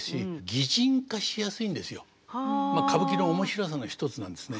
まあ歌舞伎の面白さの一つなんですね。